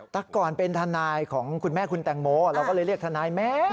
แต่ก่อนเป็นทนายของคุณแม่คุณแตงโมเราก็เลยเรียกทนายแม่